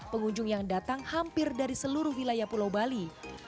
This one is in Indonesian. pengunjung yang datang hampir dari seluruh wilayah pulau bali